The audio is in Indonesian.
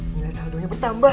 nilai saldo nya bertambah